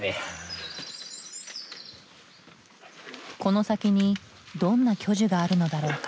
この先にどんな巨樹があるのだろうか？